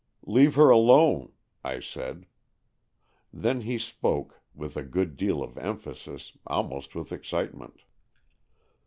" Leave her alone," I said. Then he spoke, with a good deal of emphasis, almost with excitement.